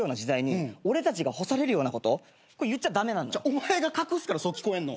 お前が隠すからそう聞こえんの。